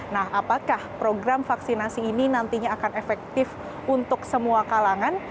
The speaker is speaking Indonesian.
nah apakah program vaksinasi ini nantinya akan efektif untuk semua kalangan